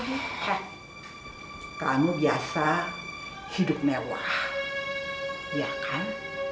hah kamu biasa hidup mewah ya kan